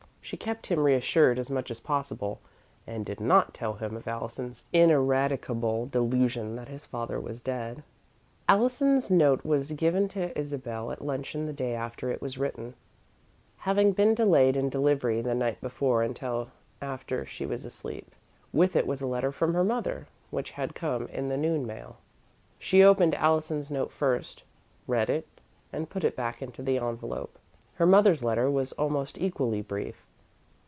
She kept him reassured as much as possible, and did not tell him of Allison's ineradicable delusion that his father was dead. Allison's note was given to Isabel at luncheon the day after it was written, having been delayed in delivery the night before until after she was asleep. With it was a letter from her mother, which had come in the noon mail. She opened Allison's note first, read it, and put it back into the envelope. Her mother's letter was almost equally brief.